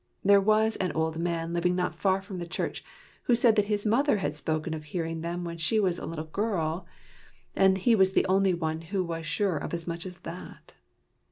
There was an old man living not far from the church, who said that his mother had spoken of hearing them when she was a little girl, and he was the only one who was sure of as much as that.